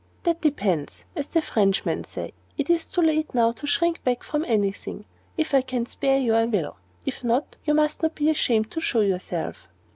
"That depends, as the Frenchmen say. It is too late now to shrink back from any thing. If I can spare you, I will. If not, you must not be ashamed to show yourself."